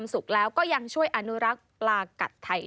ถูก